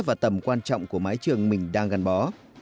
và tầm quan trọng của mái trường mình đang gắn bó